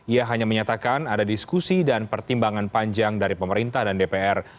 ia hanya menyatakan ada diskusi dan pertimbangan panjang dari pemerintah dan dpr